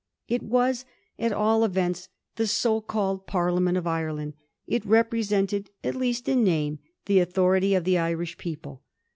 It was, at all events, the so called Parliament of Ireland; it represented, at least in name, the authority of the Irish people.